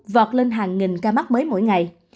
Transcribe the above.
vọt lên hàng nghìn ca mắc mới mỗi ngày